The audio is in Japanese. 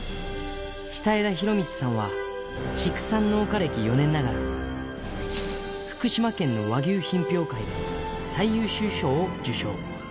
下枝宏通さんは、畜産農家歴４年ながら、福島県の和牛品評会で最優秀賞を受賞。